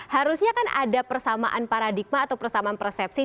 harusnya kan ada persamaan paradigma atau persamaan persepsi